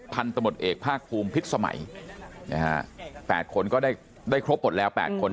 พันธมตเอกภาคภูมิพิษสมัยนะฮะ๘คนก็ได้ครบหมดแล้ว๘คน